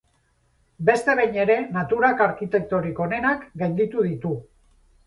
Beste behin ere, naturak arkitektorik onenak gainditu ditu.